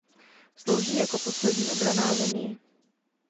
Slouží jako poslední obranná linie.